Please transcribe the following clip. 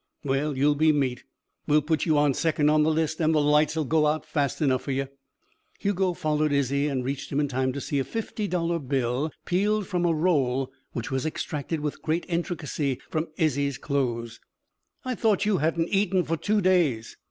"Well, you'll be meat. We'll put you second on the list. And the lights'll go out fast enough for yuh." Hugo followed Izzie and reached him in time to see a fifty dollar bill peeled from a roll which was extracted with great intricacy from Izzie's clothes. "I thought you hadn't eaten for two days!"